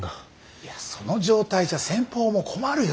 いやその状態じゃ先方も困るよ。